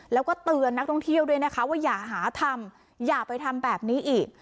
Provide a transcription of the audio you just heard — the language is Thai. แล้วก็เตือนนักท่องเที่ยวด้วยนะคะว่าอย่าหาทำอย่าไปทำแบบนี้อีก